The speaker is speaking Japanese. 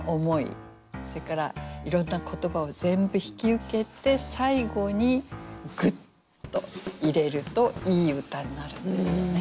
それからいろんな言葉を全部引き受けて最後にぐっと入れるといい歌になるんですよね。